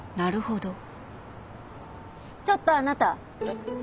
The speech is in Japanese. ちょっとあなた。